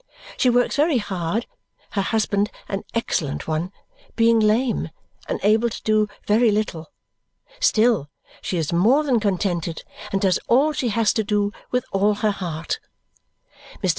She works very hard, her husband (an excellent one) being lame and able to do very little. Still, she is more than contented and does all she has to do with all her heart. Mr.